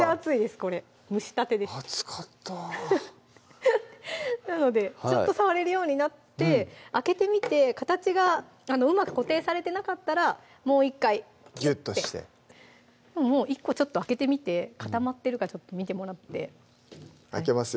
これ蒸したてです熱かったなのでちょっと触れるようになって開けてみて形がうまく固定されてなかったらもう１回ギューッとしてもう１個ちょっと開けてみて固まってるか見てもらって開けますよ